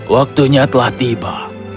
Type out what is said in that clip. waktunya telah tiba